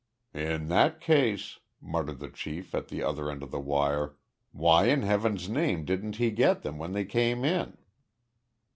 "In that case," muttered the chief at the other end of the wire, "why in Heaven's name didn't he get them when they came in?"